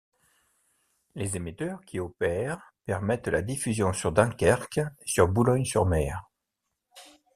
Les émetteurs qui opèrent permettent la diffusion sur Dunkerque et sur Boulogne-sur-Mer.